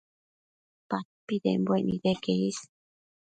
Padpidembuec nideque